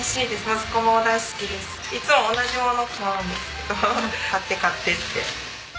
いつも同じもの買うんですけど買って買ってって。